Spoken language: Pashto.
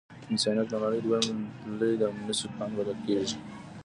مس عینک د نړۍ دویم لوی د مسو کان بلل کیږي.